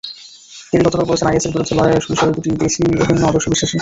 Kerry গতকাল বলেছেন, আইএসের বিরুদ্ধে লড়াইয়ের বিষয়ে দুটি দেশই অভিন্ন আদর্শে বিশ্বাসী।